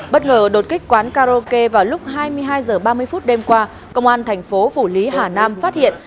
bất ngờ đột kích quán karaoke vào lúc hai mươi hai h ba mươi phút đêm qua công an thành phố phủ lý hà nam phát hiện